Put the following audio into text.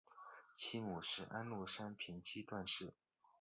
其母是安禄山平妻段氏。